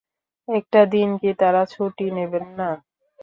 একটা দিন কি তাঁরা ছুটি নেবেন না?